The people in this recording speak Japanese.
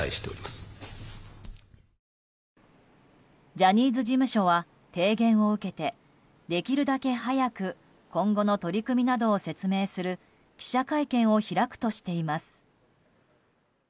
ジャニーズ事務所は提言を受けてできるだけ早く今後の取り組みなどを説明する記者会見を開くとしています。